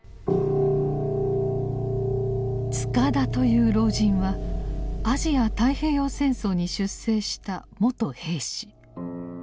「塚田」という老人はアジア・太平洋戦争に出征した元兵士。